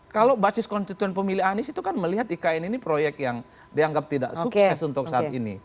kalau basis konstituen pemilih anies itu kan melihat ikn ini proyek yang dianggap tidak sukses untuk saat ini